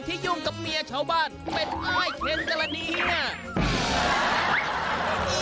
ที่ยุ่งกับเมียชาวบ้านเป็นอ้ายเท็นต์กรณีน่ะ